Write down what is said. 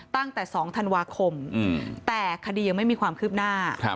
ตั้งแต่๒ธันวาคมแต่คดียังไม่มีความคืบหน้า